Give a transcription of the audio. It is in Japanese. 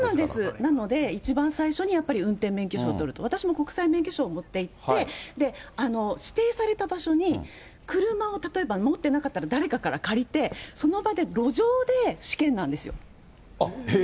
なので一番最初にやっぱり運転免許証を取ると、私も国際免許証を持っいって、指定された場所に車を例えば持っていなかった誰かから借りて、その場で路上で試験なんですよ。え？